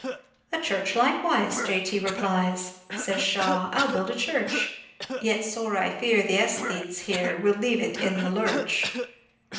<* A church likewise/' J. T. replies. Sa^s ShaWy '* 1 11 build a church; Yet sore I fear the lesthetes here Will leave it in the lurch."